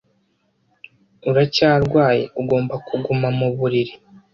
Uracyarwaye Ugomba kuguma mu buriri